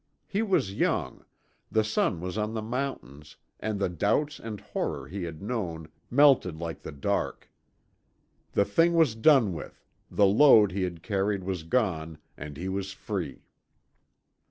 He was young, the sun was on the mountains and the doubts and horror he had known melted like the dark. The thing was done with, the load he had carried was gone, and he was free.